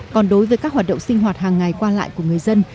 còn đối với các hoạt động sinh hoạt hàng ngày qua lại của người dân